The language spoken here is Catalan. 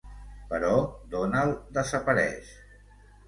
Però Donald desapareix.